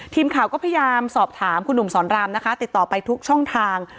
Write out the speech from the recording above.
ทีมข่าวก็พยายามสอบถามคุณหนุ่มสอนรามนะคะติดต่อไปทุกช่องทาง